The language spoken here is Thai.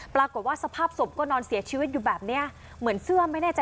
ปรากฏว่าสภาพศพก็นอนเสียชีวิตอยู่แบบเนี้ยเหมือนเสื้อไม่แน่ใจ